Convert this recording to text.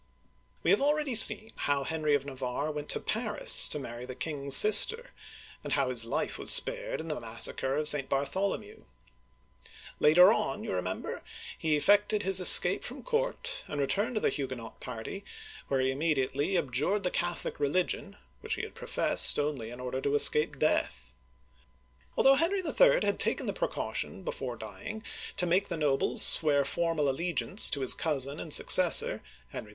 We have already seen how Henry of Navarre went to Paris to marry the king's sister, and how his life was spared in the massacre of St. Bartholomew. Later on, you remember, he effected his escape from court and re turned to the Huguenot party, where he immediately ab jured the Catholic religion, which he had professed only in order to escape death. Although Henry HI. had taken the precaution before dying to make the nobles s\year formal allegiance to his cousin and successor, Henry IV.